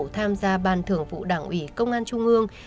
tham gia ban thưởng vụ đảng ủy công an trung ương